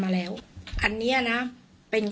ทรัพย์สินที่เป็นของฝ่ายหญิง